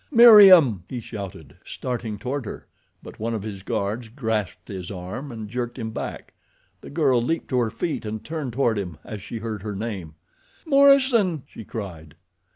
"Meriem!" he shouted, starting toward her; but one of his guards grasped his arm and jerked him back. The girl leaped to her feet and turned toward him as she heard her name. "Morison!" she cried.